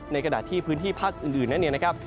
ในกระดาษที่พื้นที่พักอื่นนะครับ